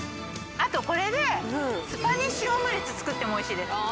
あとこれでスパニッシュオムレツ作ってもおいしいです。